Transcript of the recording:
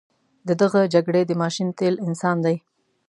د دغه جګړې د ماشین تیل انسان دی.